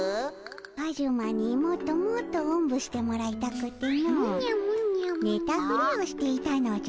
カジュマにもっともっとおんぶしてもらいたくてのねたふりをしていたのじゃ。